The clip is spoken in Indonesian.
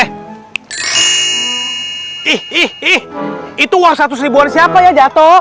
ih ih ih itu uang satu seribuan siapa ya jatoh